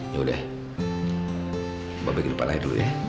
yaudah mbak bi kehidupan lain dulu ya